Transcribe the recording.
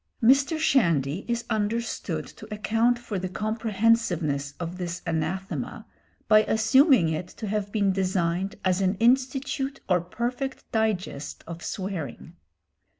Mr. Shandy is understood to account for the comprehensiveness of this anathema by assuming it to have been designed as an institute or perfect digest of swearing.